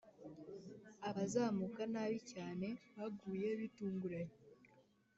abazamuka nabi cyane baguye bitunguranye